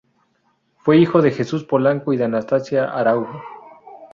Fue hijo de Jesús Polanco y de Anastacia Araujo.